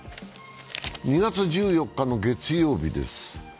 ２月１４日の月曜日です。